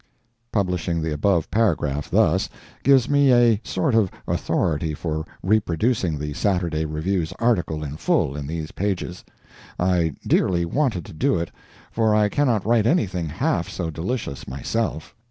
(Publishing the above paragraph thus, gives me a sort of authority for reproducing the Saturday Review's article in full in these pages. I dearly wanted to do it, for I cannot write anything half so delicious myself.